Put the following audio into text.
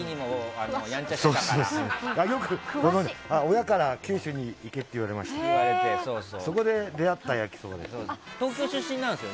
親から九州に行けと言われましてそこで出会った焼きそばです。